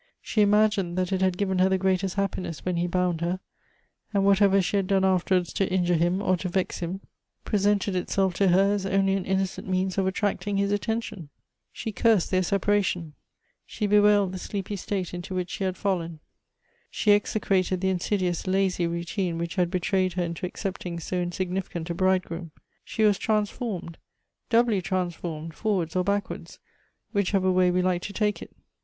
Slie imagined that it had given her the greatest happiness when he bound her ; and whatever she had done after wards to injure him, or to vex him, presented itself to Elective Affinities. 255 her as only an innocent means of attracting his attention. She cursed their separation. She bewailed the sleepy state into which she had fallen. She execrated the insidious lazy routine which had betrayed her into accept ing so insignificant a bridegroom. She was transformed — doubly transformed, forwards or backwards, which ever way we like to take it.